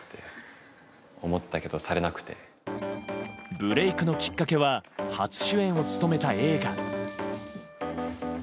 ブレークのきっかけは初主演を務めた映画。